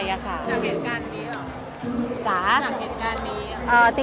จากเหตุการณ์นี้หรอ